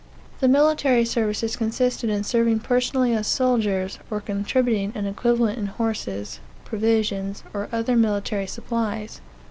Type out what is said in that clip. The military services consisted in serving personally as soldiers, or contributing an equivalent in horses, provisions, or other military supplies.